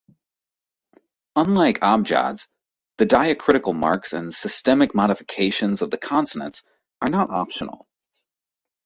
Unlike abjads, the diacritical marks and systemic modifications of the consonants are not optional.